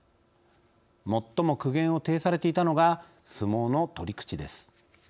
最も苦言を呈されていたのが相撲の取り口です。